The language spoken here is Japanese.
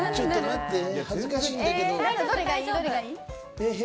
恥ずかしいんだけど。